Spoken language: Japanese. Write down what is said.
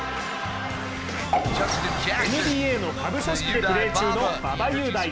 ＮＢＡの下部組織でプレー中の馬場雄大。